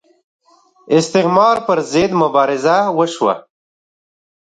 استعمار پر ضد مبارزه وشوه